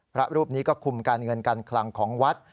พระรูปนี้ก็คุมการเงินการคลังของวัด